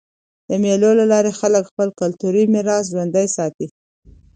د مېلو له لاري خلک خپل کلتوري میراث ژوندى ساتي.